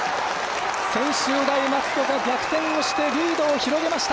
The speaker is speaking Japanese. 専修大松戸が逆転をしてリードを広げました！